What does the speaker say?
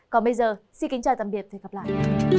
còn bây giờ xin kính chào tạm biệt và hẹn gặp lại